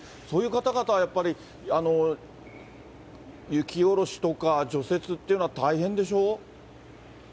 そういう方々はやっぱり、雪下ろしとか除雪っていうのは大変でしょう？